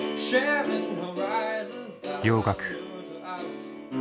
洋楽。